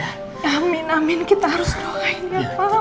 amin amin kita harus doain ya pak